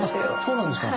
そうなんですか？